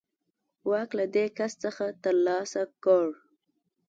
واک له دې کس څخه ترلاسه کړ.